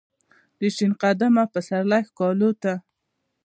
دشین قدمه پسرلی ښکالو ته ،